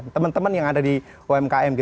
teman teman yang ada di umkm